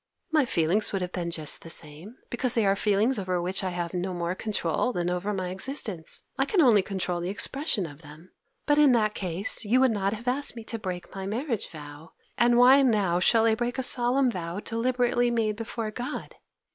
My feelings would have been just the same, because they are feelings over which I have no more control than over my existence. I can only control the expression of them. But in that case you would not have asked me to break my marriage vow, and why now shall I break a solemn vow deliberately made before God?